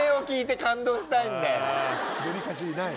デリカシーない。